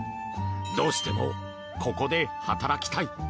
どうしても、ここで働きたい。